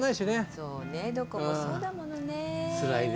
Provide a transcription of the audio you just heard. そうねどこもそうだものね。つらいね。